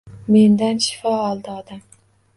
Mendan shifo oldi odam